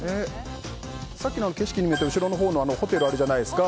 さっきの景色見ると後ろのほうにホテルあるじゃないですか。